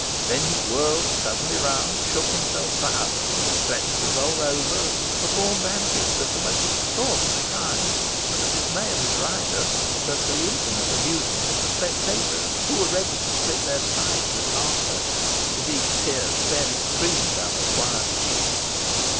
Then he whirled suddenly round, shook himself violently, threatened to roll over, and performed antics of the most extraordinary kind, to the dismay of his rider, but to the infinite amusement of the spectators, who were ready to split their sides with laughter indeed, tears fairly streamed down the squire's cheeks.